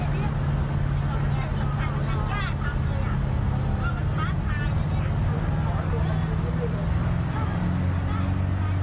กับเมียมันมาดูมันไปดูมาอ่ามันอยากมาแบบนี้ไว้มัน